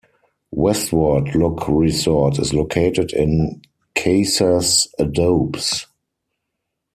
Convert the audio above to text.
Westward Look Resort is located in Casas Adobes.